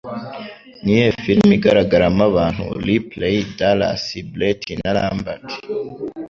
Niyihe Filime igaragaramo abantu Ripley, Dallas, Brett na Lambert?